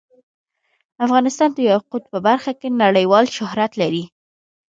افغانستان د یاقوت په برخه کې نړیوال شهرت لري.